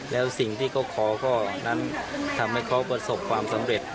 แล้วสิ่งที่เขาขอก็นั้นทำให้เขาประสบความสำเร็จ